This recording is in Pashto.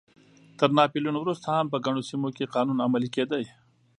تر ناپلیون وروسته هم په ګڼو سیمو کې قانون عملی کېده.